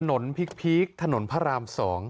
ถนนพลิกถนนพระราม๒